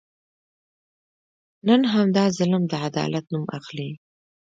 نن همدا ظلم د عدالت نوم اخلي.